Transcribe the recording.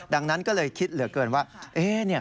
ดังนั้นก็เลยคิดเหลือเกินว่าเอ๊เนี่ย